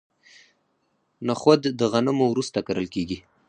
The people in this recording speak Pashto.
نخود د غنمو وروسته کرل کیږي.